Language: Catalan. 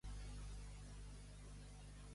Eixamplar la base.